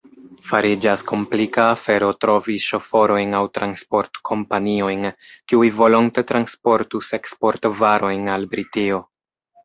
Fariĝas komplika afero trovi ŝoforojn aŭ transportkompaniojn, kiuj volonte transportus eksportvarojn al Britio.